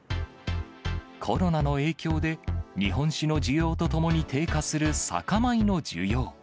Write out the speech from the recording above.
コロナの影響で、日本酒の需要とともに低下する酒米の需要。